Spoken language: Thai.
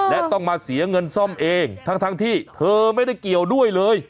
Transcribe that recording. และต้องมาเสียเงินซ่อมเองทั้งที่เธอไม่ได้เกี่ยวด้วยเลย